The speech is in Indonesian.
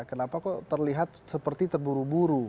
kenapa kok terlihat seperti terburu buru